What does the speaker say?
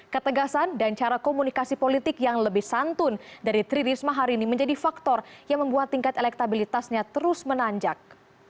ketegasan dan cara komunikasi politik yang lebih santun dari tri risma hari ini menjadi faktor yang membuat tingkat elektabilitasnya terus menanjak